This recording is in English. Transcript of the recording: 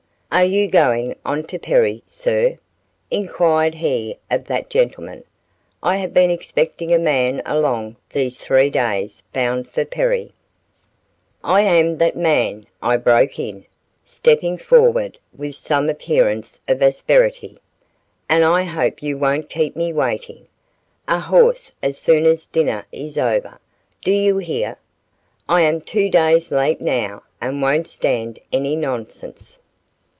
"Are you going on to Perry, sir?" inquired he of that gentleman, "I have been expecting a man along these three days bound for Perry." "I am that man," I broke in, stepping forward with some appearance of asperity, "and I hope you won't keep me waiting. A horse as soon as dinner is over, do you hear? I am two days late now, and won't stand any nonsense."